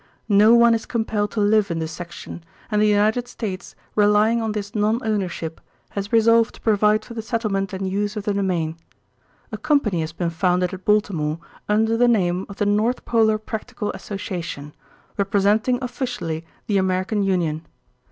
"No one is compelled to live in this section, and the United States, relying on this non ownership, has resolved to provide for the settlement and use of the domain. A company has been founded at Baltimore under the name of the North Polar Practical Association, representing officially the American Union.